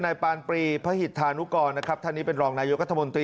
นายปาลปรีพฤษฐานุกรท่านนี้เป็นรองนายกรัฐมนตรี